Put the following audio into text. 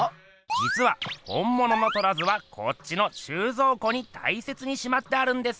じつは本ものの「虎図」はこっちの収蔵庫にたいせつにしまってあるんです。